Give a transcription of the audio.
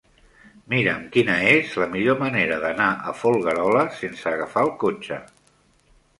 Mira'm quina és la millor manera d'anar a Folgueroles sense agafar el cotxe.